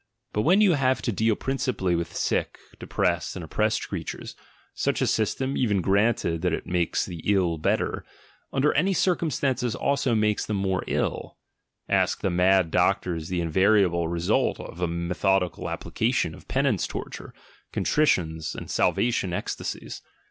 But when you have to deal princi pally with sick, depressed, and oppressed creatures, such a system, even granted that it makes the ill "better," under any circumstances also makes them more ill: ask the mad doctors the invariable result of a methodical application of penance torture, contritions, and salvation tasies.